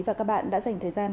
và các bạn đã dành thời gian